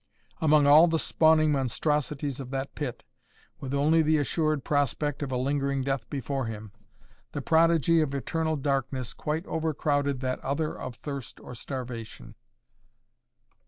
Among all the spawning monstrosities of that pit, with only the assured prospect of a lingering death before him, the prodigy of eternal darkness quite overcrowded that other of thirst or starvation.